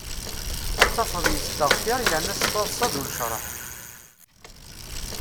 Ad tafeḍ yesteɣfir yerna s taḍsa d unecraḥ.